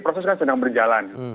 proses kan sedang berjalan